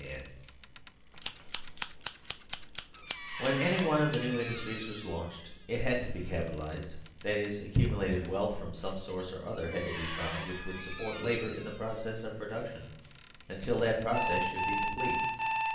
72 THE DISTRIBUTIVE FAILED When any one of the new industries was launched it had to be capitalised; that is, accumulated wealth from some source or other had to be found which would support labour in the process of production until that process should be complete.